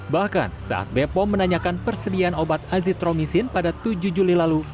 bahkan saat bepom menanyakan persediaan obat azitromisin pada tujuh juli lalu